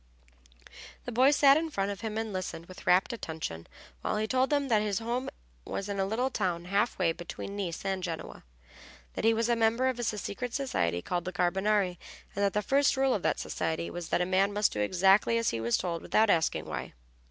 The boys sat in front of him, and listened with rapt attention while he told them that his home was in a little town half way between Nice and Genoa, that he was a member of a secret society called the Carbonari, and that the first rule of that society was that a man must do exactly as he was told without asking why.